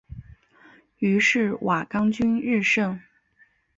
于是瓦岗军日盛。